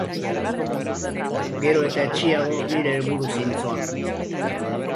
Gero eta etsiago nire helburu zintzoan.